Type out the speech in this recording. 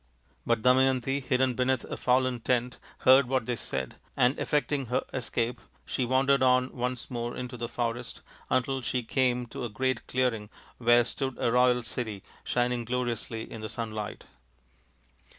But Damayanti, hidden beneath a fallen tent, heard what they said, and effecting her escape she wandered on once more into the forest, until she came to a great clearing where stood a royal city shining gloriously in the sunlight.